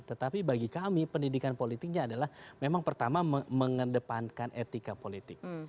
tetapi bagi kami pendidikan politiknya adalah memang pertama mengedepankan etika politik